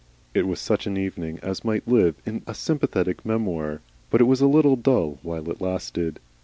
It was such an evening as might live in a sympathetic memoir, but it was a little dull while it lasted.